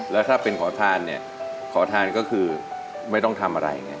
แล้วถ้าเป็นขอทานเนี่ยขอทานก็คือไม่ต้องทำอะไรเนี่ย